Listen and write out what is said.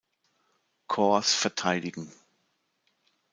Korps verteidigen.